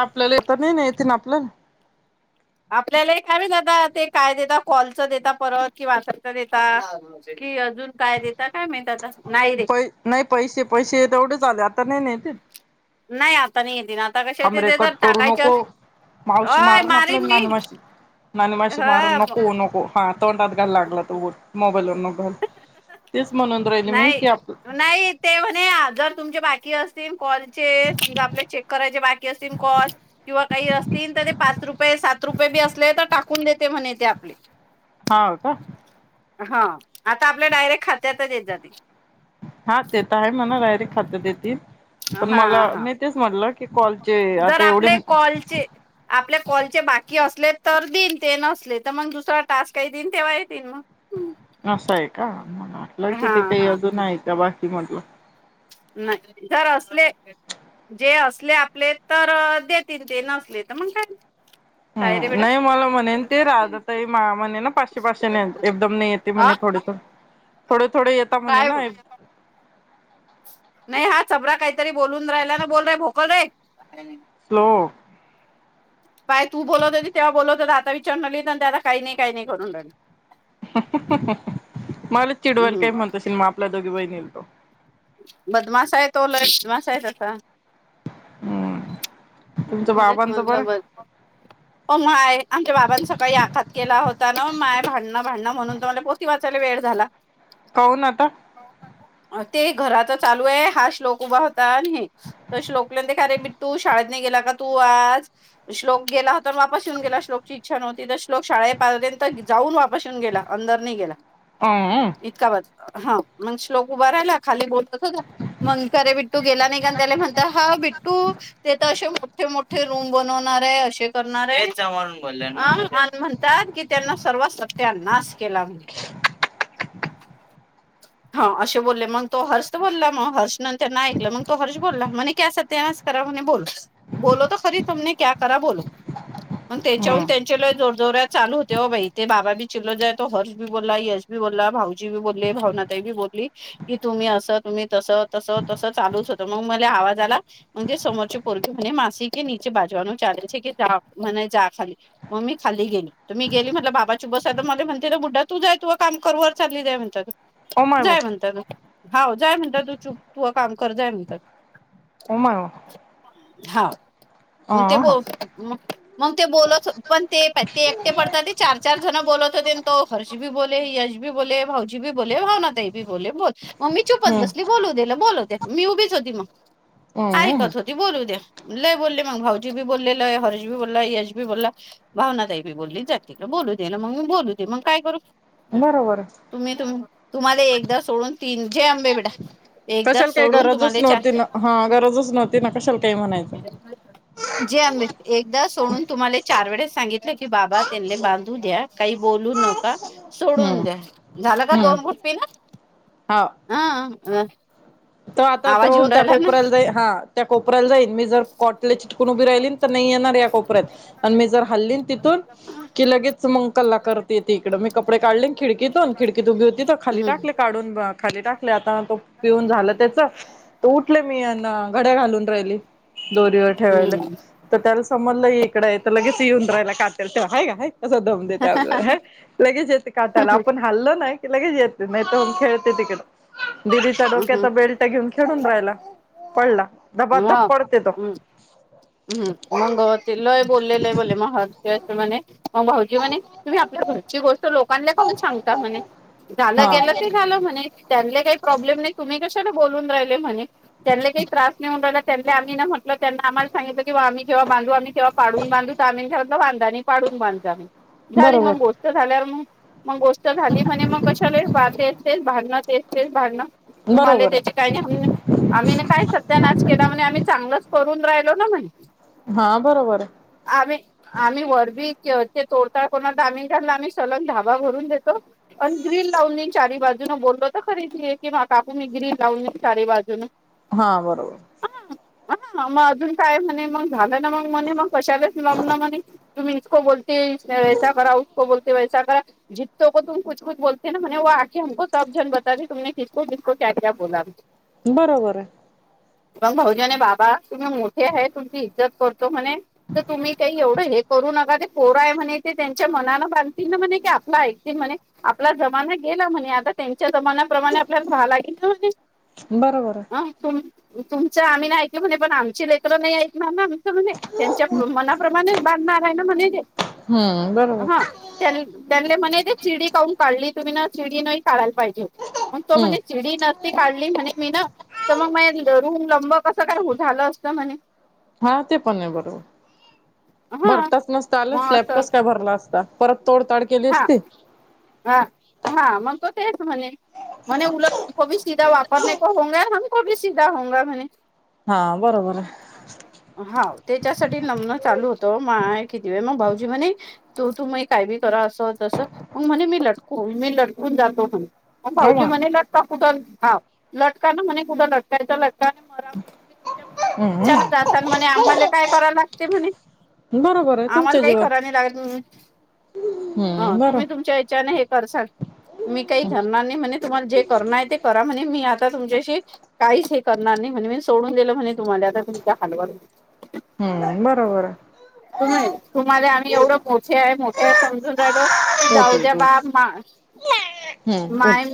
आपल्याला येत नाही नाही येेत ना आपल्याला. आपल्याला एक कायम जात ते काय देताात कॉलचं देता परत कि वासारच देताात कि अजून काय देताात का महीत आता. रे पै नाही पैसे पैसे तेवढे आले आता नाही नाही ते नाही आता नाहीय त ना आता कसे तेिथ थांबरे कट तर करू टाकायचे नको अस ओय मारिन मी आणि माशी मार ह नको नको. हा तोंडात घायला लागला तो मोबाईल व नघाल तेच म्हणून राहिली मी नाही की आप नाही ते म्हणे जर तुमचे बाकी असतील कॉलचे आपल्या चेक करायचे बाकी असतील कॉल किंवा काही असतील तर ते पाच रुपये सात रुपये बी असले तर टाकून देते म्हणे तेे आपले. हा हो का. हा आता आपल्या डायरेक्ट खात्यातच येत जातील. हा ते तर आहे मला डायरेक्ट खातं देतील पण हा मला मी हा तेच म्हटलं की कॉलचे जर आता एवढे आपले कॉलचे आपल्या कॉलचे बाकी असले तर देन ते नसले तर मग दुसरा टास्क काही देईन तेव्हा येतीलन मग हम्म. असं आहे का मला वाटलं की ते काही हा अजून आहे त्या बाकीमधलं नाही जर असले जे असले आपले तर देतील ते नसले तर मण काय ह काय रे बेटा नाही मला म्हणेन ते राधा तई मा म्हणे ना पाचशे पाचशे एकदम नाहीेत. अ म्हणे थोडे थो थोडे थोडे येतात म्हणे काय ना. नाही हा चपड काहीतरी बोलून राहिला ना बोल र भोकल रे. स्लो. पाय तू बोलत तेव्हा बोलत हो आता विचार राहिली ते आता काही नाही काही नाही करून राहील. मला चिडवायल काय हम्म म्हणताशेल मग आपला दोघी बाहिना तो बदमास आहे ती लई बदमासा आहे तसा हम्म मी तुमचं तेच बाबांचं बरं म्हटलं [unintelligible] हो माय आमच्या बाबांनी सकाळी आखात केला होता ना माय भांडणं भांडणं म्हणून तुम्हाला पोती वाचायला वेळ झाला. कवून आता. ते घराचा चालू आहे हा श्लोक उभा होता आणि हे त श्लोक ले [unintelligible] अरे मीठ तू शाळेत नाही गेला का तू आज? श्लोक गेला होता वापस येऊन गेला श्लोकची शिक्षण होती त श्लोक शाळेपर्यंत जाऊन वापासून गेला अंदर नाही गेला. [unintelligible] इतका ब हा मग श्लोक उभा राहिला खाली बोलत [unintelligible] मग खरे बिट्टू गेला नाही का त्याला म्हणत हा बिट्टू. ते तर असे मोठे मोठे रूम बनवणार आहे असे करणार आहे [unintelligible] आ आणि म्हण तात की त्यांन सर्व सत्यानाश केला. हा असे बोलले मग तो हर्ष तर बोलला मग हर्ष न त्यांना ऐकलं म तो हर्ष बोलला म्हणे कया सत्यास. तरा म्हणे बोल, बोलवतो खरी तुमने क्या करा बोल, हम्म त्याच्याहुन त्या चि लय जोर जोरत चालू होते हो बई ते बाबा बी चिलो जायो हर्ष बी बोला, यश बोलला, भाऊजी बोलले, भावना तई बी बोलली की तुम्ही असं तुम्ही तस तस तस चालूच होत मग मले आवाज आला म्हणजे समोरचे [unintelligible] मग मी खाली गेली, तर मी गेली म्हटलं बाबाची बस मला म्हणते ना बुढा तू जाय तू काम करवर चालली जाय म्हणतात. ओ माय जाय गॉड म्हणतात, हाव जाय म्हणतात तू चूप, तू काम कर जाय म्हणतात. उमा. हा. म ते ब मग ते बोलत पण ते ते एकटे पडतात ते चार. चार जण बोलत होते न तो हर्ष बी बोले, यश बी बोले, भाऊजी बी बोले, भावना ताई बी बोले, बोल. म मी चुपच हम्म बसली बोलु दे हिलं बोलुदे मी उभीच होती म, हम्म ऐकत होते. ती बोलू दे, लई बोलले मग भाऊजी बी बोलले लई हर्ष बी बोला, यश बी बोला. भावना ताईबी बोलली जाति का बोलू दे ना मग मी बोलू दे मग काय करू? बरोबर. तुम्ही तुम, तुम्हाला एकदा सोडून तीन जय आंबे बेटा. एकदा कशाल काही सोडून गरजच तुम्हाला चार नव्हती ना हा गरजच नव्हती ना कशाल काही म [unintelligible] जय आंबे एकदा सोडून तुम्हाला चार वेळेस सांगितलं की बाबा त्यानले बांधू द्या. काही बोलू नका, सोडून हम्म द्या. झालं का हम्म दोन गुट पीन, हं ह. त आता आवाज तो येऊन त्या राहिला ना कोपऱ्याला जाई हा. त्या कोपऱ्याला जाईन मी जर कॉटले चिटकून उभी राहिलीन तर नाही येणार या कोपऱ्यात. आणि मी जर हल्लीन तिथून. की लगेच मग कला करत येते इकडे मी कपडे काढले खिडकीतून खिडकीत उभी होती त खाली टाक. हम्म ले काढून खाली टाकले आता, तो पिऊन झाल त, उठले मी अन घड्या घालून राहिली, दोरीवर ठेवायला. तर त्याला समजलं हि इकडे आहे तर लगेच येऊन राहायला कातेल तेव्ह आहे का. कसं दम देत अगं हे, लगेच येत काटाला आपण खाल्लं नाही कि लगेच येते नाही तर खेळते तिकड, दिदीच्या डोक्यात हम्म बिलट्या घेऊन खेळून राहिला, पडला. म, धबाधब पडते तो हम्, हम्म मग ते लई बोलले लई बोले म हाज ते अशी म्हणे, म भाऊजी म्हणे तुम्ही आपल्या घरची गोष्ट लोकांना काऊन सांगता म्हणे. झालं हा गेलं ते झालं म्हणे त्यांले काही प्रॉब्लेम नाही तुम्ही कशाला बोलून राहिले म्हणे, त्यानले काही त्रास नय होऊन राहिला त्या म्हटले आम्ही न म्हटल त्यांना आम्हाला सांगीतल कि आम्ही जेव्हा बाधू आम्ही तेव्हा पाडून बांधू त आम्ही म्हटलं बांधा आणि पाडून बांध जा, झाली बरोबर बो झाल्यावर म, म गोष्ट झाली म्हणे मग कशाला ते तेच भडणं तेच तेच भडणं. तुम्हाला बरोबर त्याची आहे काही नाही, [unintelligible] आम्ही ना काय स सत्यानास केला मने आम्ही चांगलंच करून राहिलो ना म्हण हा बरोबरये. आम्ही. आम्ही वरबी ते तोडताळ कोोणा दामी घालला आम्ही सलग ढाबा भरून देतो आणि ग्रीन लाउली चारी बाजू न बोललो तर खरीदी आहे की म कापू मी ग्रीन लाउली चारी बाजू न हा बरोबर ह मग अजून काय म्हणे मग झालं ना मग म्हणे मग कशालाच लाम ना म्हणे तुम्ही इतकं बोलता वै करासको बोलते वैस करा जित्ो तुम कुछ कुछ बोलते ना व आखेमको सब जन बते तुमने कसको जसको क्या क्या बोला बरोबर आहे पग भाहजने बाबा तुम्ही मोठे आहे तुमची इज्जत करतो म्हणे तर तुम्ही काही एवढं हे करू नका ते पोरा आहे म्हणे ते त्यांच्या मनान बांती ना म्हणे क आपला ऐकतील म्हणे आपला जमाना गेला म्हणे आता त्यांच्या जमान्या प्रमाणे आपल्याला व लागेल ना बरोबर आहे म्हणजे तु तुमचं आम्ही नाही ऐकलं म्हणे पण आमची लेखल नाही क ना ना णे त्यांच्या मनाप्रमाणेच बांधणारय ना म्हणे हम्म हा बरोबर त्यां म्हणे ते चिडी काढून काढली तुम्ही ना चिडी न काढायला पाहिजे मण तो हम्म म्हणे िडी नसती काढली म्हणे मी ना तर मग म रूम लंब कसं काय झालं असत म्हणे हा ते पण आहे बरोबर हा भरताच नसत आलं मग स्लॅब असं कस काय भरला असता परत तोड तड हा हा हा मग तो तेच म्हणे म्हणे उल कोी सीधा वापरने को होगा हमक भी सीधा होगा म्ह हा बरोबर आहे हा त्याच्यासाठी नम्न चालू होतो मा किती वे मग भाऊजी म्हणे तो तू म काय ब अस मग म्हणे मी लटकू मी लटकून जातो म्ह हो भाऊजी मग म्हणे ल कुठ हा लटका ना म्हणे कुठं लटकायचा लटका मरा म्हण याच्यानच हम्म असात म्हणे आम्हाला काय कराव लागते म्हणे बरोबर आहे आम्हाला तुमचं काही जेवण करा नाही लागल हम्म ह बरो तुम्ही तुमच्या हच्याने हे कर मी काही कररणार नाही म्हणजे तुम्हाला जे करणार आहे ते करा म्हणजे मी आता तुमच्याशी काहीच हे करणार नाही म्हणे मी सोडून दिलं म्हणे तुम्हाला आता तुमच्या हलवर हम् बरोबर तुम्ही तुम्हाला आम्ही एवढं मोठे आहे मोठे आहे समजून राहिलो जाऊ उठ द्या उठ उठ बाप मा हम्म माय उठ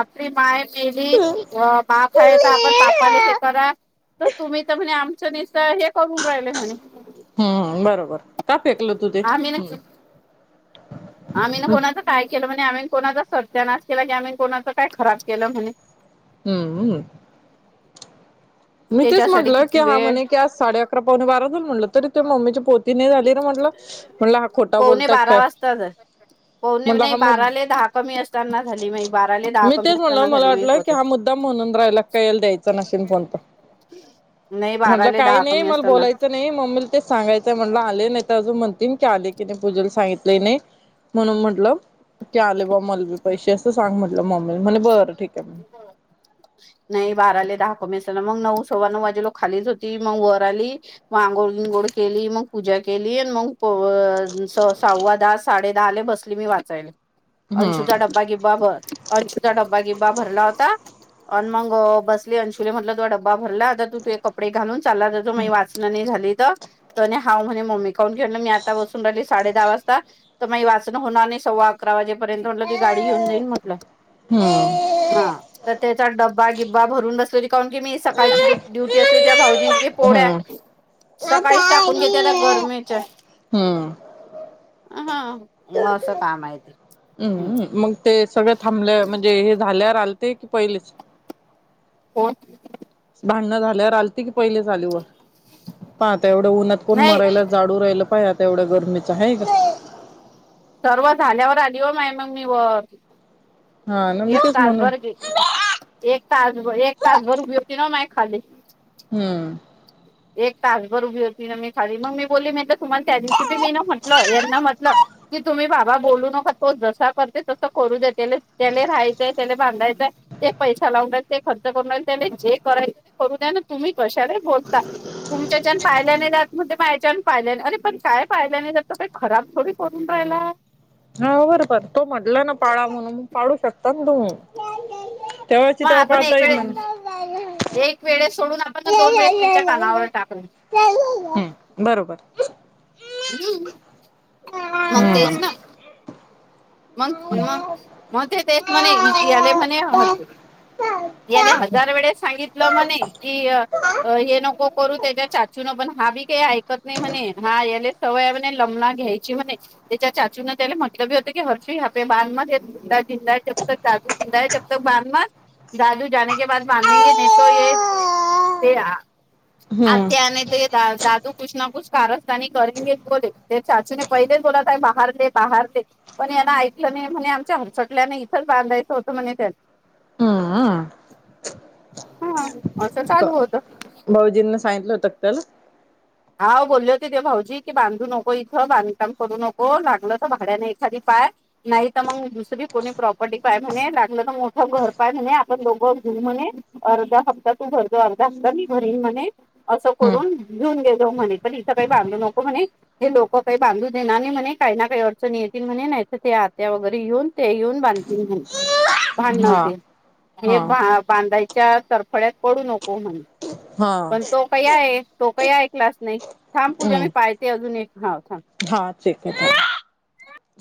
आपली माय मेली बा खायचा आपण बापले हे करा तर तुम्ही तर म्हणे आमच्या नि हे करून राहिलंय म्हणे हम्म बरोबर का फेकल तू ते आम्ही ना हम् आम्ही ना कोणाचं काय केलं म्हणे आम्ही कोणाचा सर्चा नास केला की आम्ही कोणाच काय खराब केलं म्हणे हम्म हम्म मी तेच त्याच्यासाठी म्हटलं की किती हा वेळ म्हणे की आज साडे अकरा पाहणे बारा जाऊल म्हटलं तरी ते मम्मीचे पो तिने झाली ना म्हटलं म्हटलं हा खोटा बोलताय काय को म्हणला नाही हा मु बाराला मी दहा कमी असताना झाली नाही बाराले दहा कमी तेच म्हणलं असताना मला झाली मी की पोहोचत. हा मुद्दा म्हणून राहिला काल द्यायचा नशशीन फणत नाही म्हटलं बाराले काही दहा नाही कमी मला असताना. बोलायचं नाही नाही मम्मीला ते सांगयंय म्हणला आले नाही अजून म्हणतील की आले की नाही पूजेला सांगितले नाही म्हणून म्हटलं की आले ब मल बी पैसे असं सांग म्हटलं मम्मी म्हणे बरं ठीक आहे म नाही बारा आले दहा क मेस मग नऊ सव्वा नऊ वाजे लोक खालीच होती मग वर आली मग आंघोळ विंगोळ केली मग पूजा केली आणि मग सव्वा दहा साडे दहाले बस ी वाचाल हम्म अंशूचा डबबा किबा बत अ तुा डबा गिब्बा भरला होता आणि मग बसले अंशुले म्हटल तो डबा भरला आता तू त कपडे घालून चालला ज जो वाचना नाही झाली तर तर हा म्हणे मम्मी काहुन घेऊन मी आता बसून राहिली साडे दहा वाजता. तर मग वाचनं होणार नाही सव्वा अकरा वाजेपर्यंत म्हटलं त गाडी घेऊन जाईन म्हटलं. हं. हा. तर त्याचा डब्बा गिब्बा भरून बसलेली काहुन की मी सकाळची डु डुटी असली तेव्हा भाऊजींचे पोड्या हम्म - - सकाळीच टाकून घेते आता गरमेच्या. हम्म. हा. म असं काम आहे ते. हम् मग ते सगळं थांबलं म्हणजे हे झाल्या आलते की पहिलेच. होय. भांडणं झाल्यावर आलती की पहिले चाली वर? पहा आता एवढं उन्हात कोण नाही मरायला जाडू राहिलं पाहिता एवढ्या गरमीचं आहे का. सर्व झाल्यावर आली व माय मग मी व हा ना मी एक तेच म्हणून तासभर [unintelligible] एक तासभर, एक तासभर उभी होती ना माय खाली. हम्म. [inaudible] एक तासभर उभी होती ना मी खाली मग मी बोलली म्हटलं तुम्हाला त्या दिवशी बी मी ना म्हटलं यांना म्हटलं. की तुम्ही बाबा बोलू नका. तो जसा करते तसं करू दे. त्याले त्याला राहायचंय. त्याला बांधायचंय ते पैसा लावूनल ते खर्च करून त्या जे करायच ते करू द्या ना तुम्ही कशाला बोल ता. तुमच्यान पाहिल्या नाही दत मग ते मायच्यान पाहिल्या नाही अरे पण काय पाहिय नाही द तर काही खराब थोडी करून राहिलायं. हा बर बर तो म्हटला ना पाळा म्हणून मग पाडू शकता ना तुम्ही. तेव्हाची मग आपण एक वेळे त्या्हा [unintelligible] एक वेळेस सोडून आपण दोन वेळेस त्यांच्या कानावर टाकल. हं. बरोबर. हम्. मग तेच हम्म ना. मग मग मग ते तेच [unintelligible] याले म्हणे ह द याले हजार वेळे सांगितलं म्हणे कि अ हे नको करू त्याच्या चाचूनं पण. हा बी काही आय - - कत नाही म्हणे हा याले सवय म्हणे लमना घ्यायची म्हणे. त्याच्या चाचू न त्याला मटलब होते की हर्ष हापे [unintelligible] मत जिंदा जिंदा जब तक सादू जिंदा आहे तब तक बांध मगं. दादू जाने के बाध बांधेंगे नही तो ये तेरा. आ हम्म त्याने येत दादू कुछ ना कुछ कारस्थानी करेगे. बोले ते चाचूने पहिलेच बोलाता. बाहेर दे. बाहेर दे. पण याना ऐकलं नाही म्हणे आमच्या हलचटल्याने इथंच बांधायचं होतं म्हणे त्यां - - हम्म. हा. असं चालू होत. भाऊजींना सांगितलं होतं तर हा बोलले होते ते भाऊजी की बांधू नको इथं बांधकाम करू नको. लागलं तर भाड्याने एखादी पाहाय. नाही तर मग दुसरी कोणी प्रॉपर्टी पाय म्हणे. लागलं तर मोठं घर पाय म्हणे. आपण लोघं घेऊ म्हणे. अर्धा हप्ता तू भरतो. अर्धा हप्ता मी भरीन म्हणे असं करून हम्म घिऊन घे तो म्हणे. पण इंथ काही बांधु नको म्हणे. हे लोक काही बांधू देणार नाही म्हणे. काही ना काही अडचणी येतील म्हणे. नाहितर ते आत्या वगैरे येेऊन - - ते येऊन बांधतील म्हणे. भांडण हा होते. हे हा बा बांधायच्या तडफड्यात पडू नको म्हणे. हा पण तो काही आहे तो काही ऐकलाचं नाही. थांब पूजा मी हम्म. पाय - - ते अजून एक. हो थांब. हा. [unintelligible]